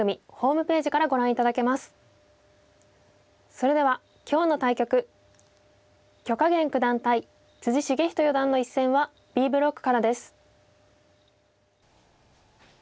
それでは今日の対局許家元九段対篤仁四段の一戦はＢブロックからです。